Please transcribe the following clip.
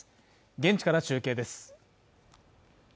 現地から中継です